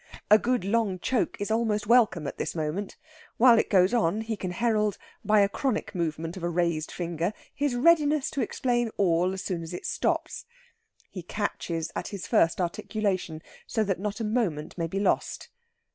A good long choke is almost welcome at this moment. While it goes on he can herald, by a chronic movement of a raised finger, his readiness to explain all as soon as it stops. He catches at his first articulation, so that not a moment may be lost.